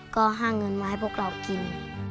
ก็หาเงินมาให้พวกเรากิน